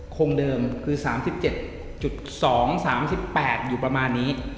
คงเดิมคือ๓๗๒๓๘อยู่ประมาณนี้